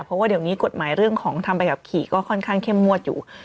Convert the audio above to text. เพราะว่าเดี๋ยวนี้กฎหมายเรื่องของทำใบขับขี่ก็ค่อนข้างเข้มงวดอยู่